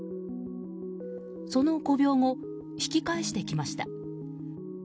その５秒後引き返してきました。